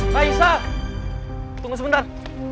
raisa tunggu sebentar